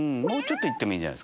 もうちょっと行ってもいい。